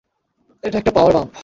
এটা একটা power bump.